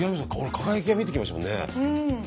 輝きが見えてきましたもんね。